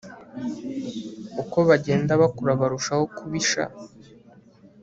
Uko bagenda bakura barushaho kubishaka